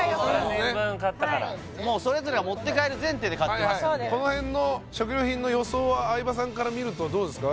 全員分買ったからもうそれぞれが持って帰る前提で買ってますのでこの辺の食料品の予想は相葉さんからみるとどうですか？